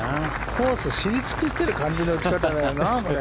コース知り尽くしてる感じの打ち方だよな。